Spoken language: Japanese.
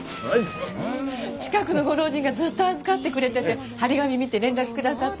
近くのご老人がずっと預かってくれてて貼り紙を見て連絡くださったんです。